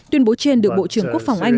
tuyên bố trên được bộ trưởng quốc phòng anh